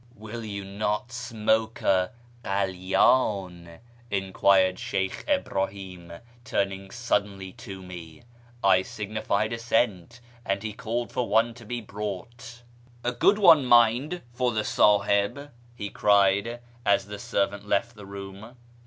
" Will you not smoke a kalydn ?" enquired Sheykh Ibrahim, turning suddenly to me. I signified assent, and he called for one to be brought. " A good one, mind, for the Sahib," he cried, as the servant left the room.